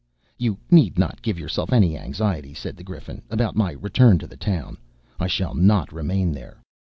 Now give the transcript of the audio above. "You need not give yourself any anxiety," said the Griffin, "about my return to the town. I shall not remain there.